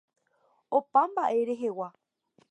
Opa mba'e rehegua.